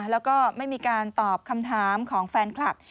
แล้วก็ไม่มีการตอบคำถามของแฟนคลับ